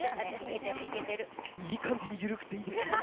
いい感じに緩くていいですね。